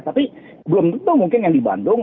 tapi belum tentu mungkin yang di bandung